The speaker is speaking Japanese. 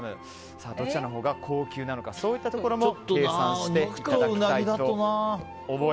どちらのほうが高級なのかそういったところも肉とウナギだとな。